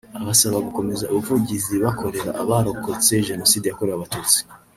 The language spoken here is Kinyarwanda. abasaba gukomeza ubuvugizi bakorera abarokotse Jenoside yakorewe Abatutsi